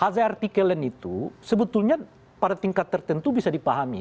hadzai artikelen itu sebetulnya pada tingkat tertentu bisa dipahami